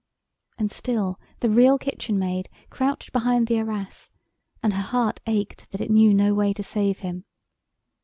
And still the Real Kitchen Maid crouched behind the arras, and her heart ached that it knew no way to save him.